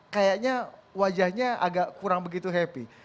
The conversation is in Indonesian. kayaknya wajahnya agak kurang begitu happy